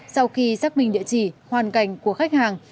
sau khi xác minh địa chỉ hoàn cảnh của khách hàng